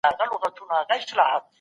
حميد هم همداسي دی